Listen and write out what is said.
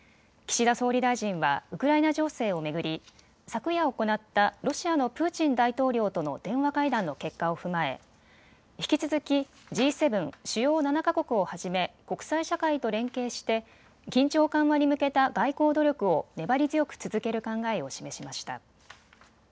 岸田総理大臣はウクライナ情勢を巡り、昨夜行ったロシアのプーチン大統領との電話会談の結果を踏まえ引き続きＧ７・主要７か国をはじめ国際社会と連携して緊張緩和に向けた外交努力を粘り強く続ける考えを示しました。